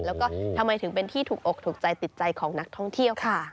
แล้วก็ทำไมถึงเป็นที่ถูกอกถูกใจติดใจของนักท่องเที่ยวค่ะ